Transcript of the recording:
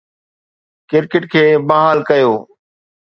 cricket کي بحال ڪيو